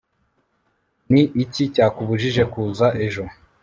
ni iki cyakubujije kuza ejo